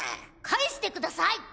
返してください！